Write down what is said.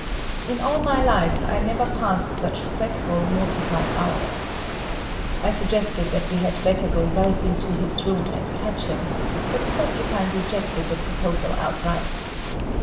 In all my life, I never passed such fretful, mortifying hours. I suggested that we had better go right into his room and catch him but Porcupine rejected the proposal outright.